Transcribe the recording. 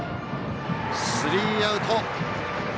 スリーアウト。